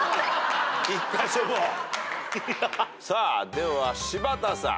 では柴田さん。